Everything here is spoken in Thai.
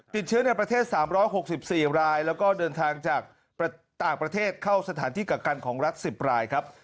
ติดเชื้อในประเทศ๓๖๔รายแล้วก็เดินทางจากต่างประเทศเข้าสถานที่กักกันของรัฐ๑๐รายครับ